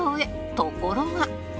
ところが